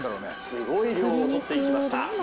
すごい量を取っていきました。